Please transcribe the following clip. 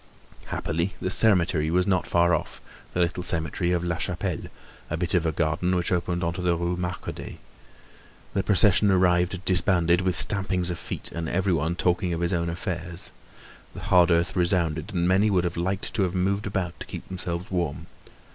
Happily, the cemetery was not far off, the little cemetery of La Chapelle, a bit of a garden which opened on to the Rue Marcadet. The procession arrived disbanded, with stampings of feet and everybody talking of his own affairs. The hard earth resounded, and many would have liked to have moved about to keep themselves warm.